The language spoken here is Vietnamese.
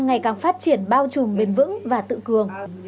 ngày càng phát triển bao trùm bền vững và tự cường